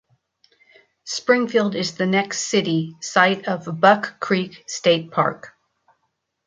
Springfield is the next city, site of Buck Creek State Park.